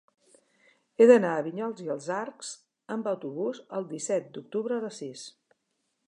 He d'anar a Vinyols i els Arcs amb autobús el disset d'octubre a les sis.